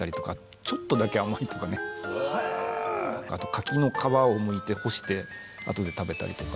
柿の皮をむいて干してあとで食べたりとか。